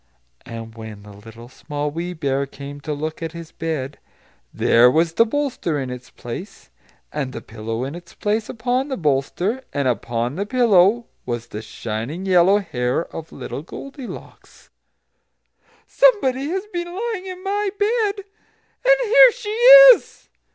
And when the Little Small Wee Bear came to look at his bed, there was the bolster in its place; and the pillow in its place upon the bolster; and upon the pillow was the shining, yellow hair of little Goldilocks! "SOMEBODY HAS BEEN LYING IN MY BED, AND HERE SHE IS!"